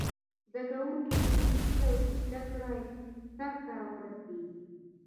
زده کوونکي په دې هیله وي چې زده کړه یې سرته ورسیږي.